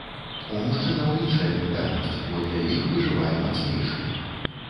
У мужчынаў іншая ментальнасць, бо для іх выжывае мацнейшы.